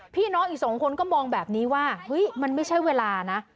พี่น้องอีกสองคนก็มองแบบนี้ว่าเฮ้ยมันไม่ใช่เวลานะ